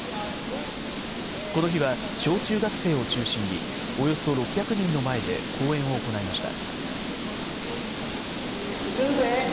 この日は、小中学生を中心に、およそ６００人の前で講演を行いました。